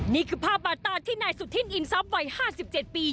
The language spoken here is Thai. นี่คือภาพบาตาที่นายสุธินอินทรัพย์วัย๕๗ปี